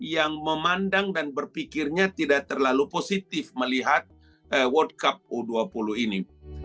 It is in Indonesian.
yang memandang dan berpikirnya tidak terlalu positif melihat world cup u dua puluh ini